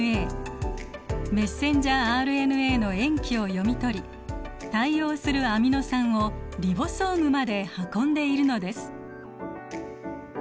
メッセンジャーＲＮＡの塩基を読み取り対応するアミノ酸をリボソームまで運んでいるのです。